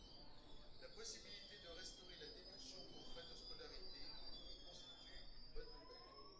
La possibilité de restaurer la déduction pour frais de scolarité constitue une bonne nouvelle.